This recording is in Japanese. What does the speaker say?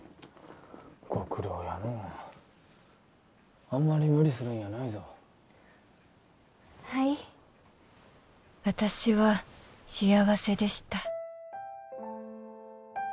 ご苦労やのうあんまり無理するんやないぞはい私は幸せでした